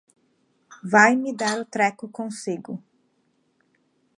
Vai-me dar o treco consigo.